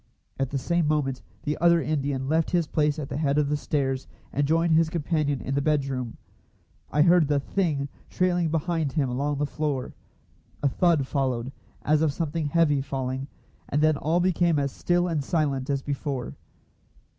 At the same moment the other Indian left his place at the head of the stairs, and joined his companion in the bedroom. I heard the "thing" trailing behind him along the floor. A thud followed, as of something heavy falling, and then all became as still and silent as before.